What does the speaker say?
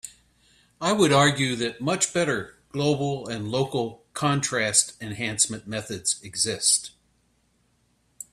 I would argue that much better global and local contrast enhancement methods exist.